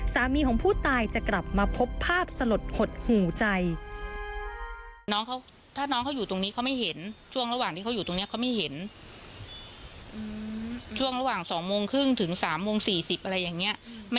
สามีของผู้ตายจะกลับมาพบภาพสลดหดหูใจ